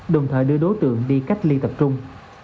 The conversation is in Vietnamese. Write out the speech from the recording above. đồng thời đưa đối tượng đi cách ly tập trung